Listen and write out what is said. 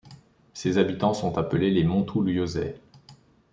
Ses habitants sont appelés les Montoulieusais.